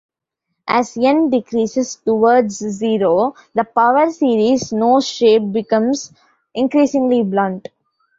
As "n" decreases towards zero, the power series nose shape becomes increasingly blunt.